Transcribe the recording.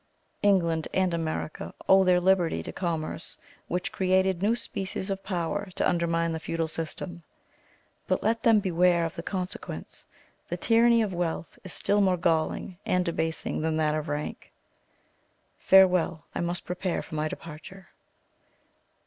England and America owe their liberty to commerce, which created new species of power to undermine the feudal system. But let them beware of the consequence; the tyranny of wealth is still more galling and debasing than that of rank. Farewell! I must prepare for my departure.